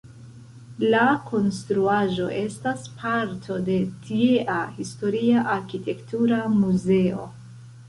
La konstruaĵo estas parto de tiea Historia Arkitektura muzeo.